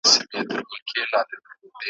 په لږ وخت کي به د ښار سرمایه دار سم ,